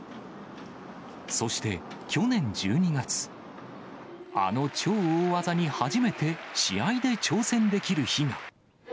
そして去年１２月、あの超大技に初めて試合で挑戦できる日が。